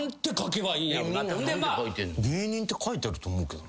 「芸人」って書いてると思うけど。